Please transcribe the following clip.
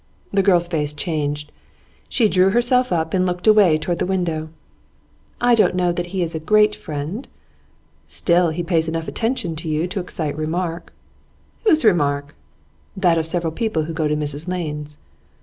The girl's face changed. She drew herself up, and looked away towards the window. 'I don't know that he is a "great" friend.' 'Still, he pays enough attention to you to excite remark.' 'Whose remark?' 'That of several people who go to Mrs Lane's.